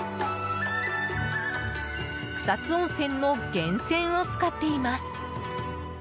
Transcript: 草津温泉の源泉を使っています。